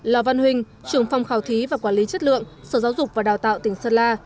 lò văn huynh trưởng phòng khảo thí và quản lý chất lượng sở giáo dục và đào tạo tỉnh sơn la